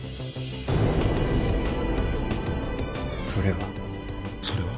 それはそれは？